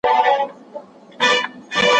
د کڼو خلکو خبري هم سمي نه اورېدل کېږي .